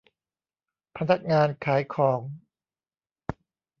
พนักงานขายของ